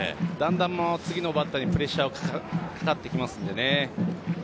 だんだん、次のバッターにプレッシャーがかかってきますのでね。